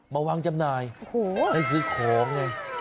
มาวางจำนายโอ้โหให้ซื้อของไง